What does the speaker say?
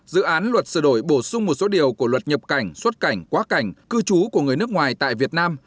dự án luật sửa đổi bổ sung một số điều của luật nhập cảnh xuất cảnh quá cảnh cư trú của người nước ngoài tại việt nam